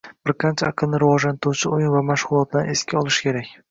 Bir qancha aqlni rivojlantiruvchi o‘yin va mashg‘ulotlarni esga olish kerak.